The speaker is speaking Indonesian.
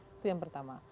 itu yang pertama